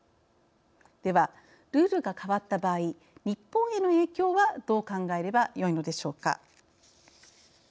ではルールが変わった場合日本への影響はどう考えればよいのでしょうか。